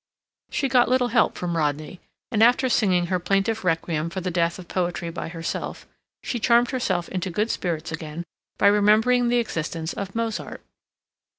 _ She got little help from Rodney, and after singing her plaintive requiem for the death of poetry by herself, she charmed herself into good spirits again by remembering the existence of Mozart.